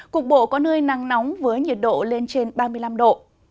cục bộ có nơi nắng nóng với nhiệt độ lên trên ba mươi năm độ